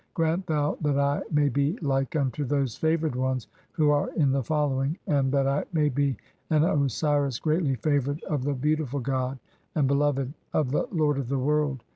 Grant thou that I may be "like unto those favoured ones who are in thy following, (6) and "that I may be an Osiris greatly favoured of the beautiful god, "and beloved of the lord of the world.